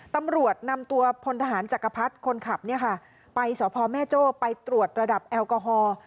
ตำรวจนำตัวพลทหารจักรพรรดิคนขับไปสพแม่โจ้ไปตรวจระดับแอลกอฮอล์